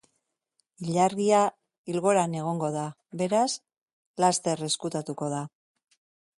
Ilargia ilgoran egongo da, beraz, laster ezkutatuko da.